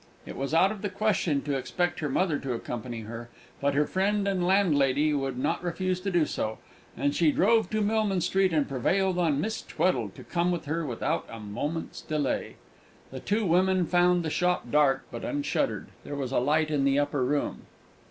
It was out of the question to expect her mother to accompany her, but her friend and landlady would not refuse to do so; and she drove to Millman Street, and prevailed on Miss Tweddle to come with her without a moment's delay. The two women found the shop dark, but unshuttered; there was a light in the upper room.